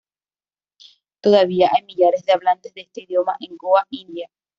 Todavía hay millares de hablantes de este idioma en Goa, India.